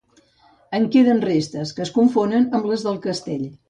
En queden restes, que es confonen amb les del castell.